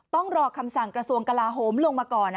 ต้องรอคำสั่งกระทรวงกลาโหมลงมาก่อน